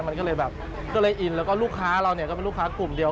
มันก็เลยแบบก็เลยอินแล้วก็ลูกค้าเราเนี่ยก็เป็นลูกค้ากลุ่มเดียว